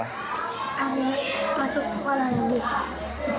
area masuk sekolah lagi